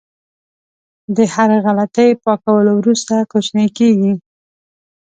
د هرې غلطۍ پاکولو وروسته کوچنی کېږي.